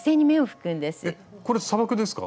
えっこれ砂漠ですか？